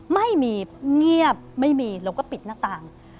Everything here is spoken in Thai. ไม่มีเงียบไม่มีเราก็ปิดหน้าต่าง